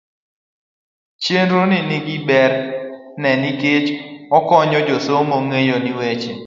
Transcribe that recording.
chenro ni ni gi ber ne nikech okonyo jasomo ng'eyo ni weche